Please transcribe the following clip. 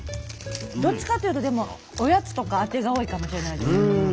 どっちかっていうとでもおやつとかアテが多いかもしれないですね。